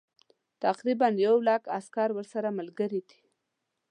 تقریبا یو لک عسکر ورسره ملګري دي.